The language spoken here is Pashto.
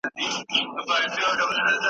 کوم ارزښتونه د یوه سالم او هوسا ژوند بنسټ دی؟